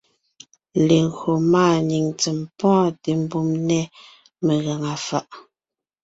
Légÿo máanyìŋ ntsèm pɔ́ɔnte mbùm nɛ́ megàŋa fàʼ.